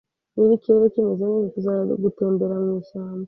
Niba ikirere kimeze neza, tuzajya gutembera mwishyamba